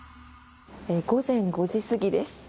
午前５時過ぎです。